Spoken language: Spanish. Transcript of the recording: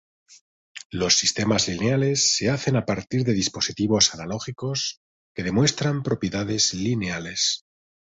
Los sistemas lineales se hacen a partir de dispositivos analógicos que demuestran propiedades lineales.